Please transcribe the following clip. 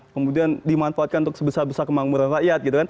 kemudian dimanfaatkan untuk sebesar besar kemangguran rakyat